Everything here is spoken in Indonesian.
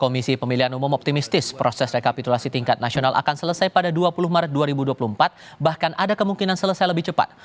komisi pemilihan umum optimistis proses rekapitulasi tingkat nasional akan selesai pada dua puluh maret dua ribu dua puluh empat bahkan ada kemungkinan selesai lebih cepat